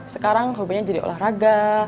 sekarang hobinya jadi olahraga